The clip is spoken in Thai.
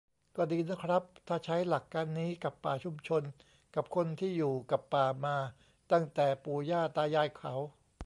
"ก็ดีนะครับ ถ้าใช้หลักการนี้กับป่าชุมชน กับคนที่อยู่กับป่ามาตั้งแต่ปู่ย่าตายายเขา"